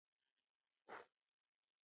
عام وګړي د څو ډوله مالیاتو په ورکولو مکلف وو.